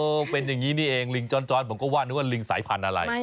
เป็นอย่างนี้นี่เองลิงจ้อนผมก็ว่านึกว่าลิงสายพันธุ์อะไร